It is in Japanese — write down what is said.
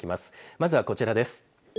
まずはこちらです。